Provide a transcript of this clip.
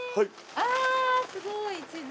ああすごい地図。